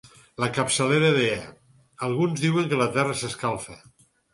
La capçalera deia: alguns diuen que la Terra s'escalfa.